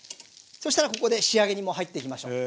そしたらここで仕上げにもう入っていきましょう。